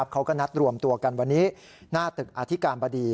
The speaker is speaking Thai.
เขาก็นัดรวมตัวกันวันนี้หน้าตึกอธิการบดี